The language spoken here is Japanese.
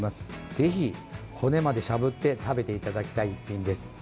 ぜひ骨までしゃぶって食べていただきたい一品です。